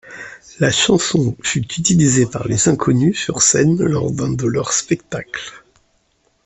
La chanson fut utilisée par Les Inconnus sur scène lors d'un de leur spectacle.